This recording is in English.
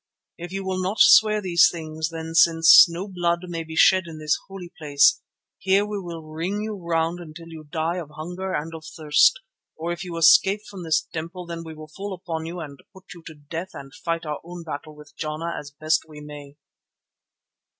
If you will not swear these things, then since no blood may be shed in this holy place, here we will ring you round until you die of hunger and of thirst, or if you escape from this temple, then we will fall upon you and put you to death and fight our own battle with Jana as best we may."